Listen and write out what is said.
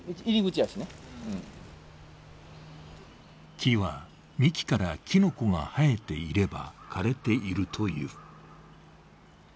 木は幹からきのこが生えていれば枯れているという。